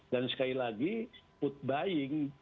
dan sekali lagi put buying